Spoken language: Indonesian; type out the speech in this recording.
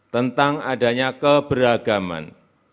tentang adanya keberagaman